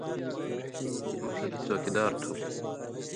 مہ ݜَلہ څَوکیدار تُھو۔